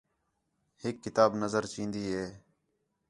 ہِک کتاب نظر چین٘دی ہِے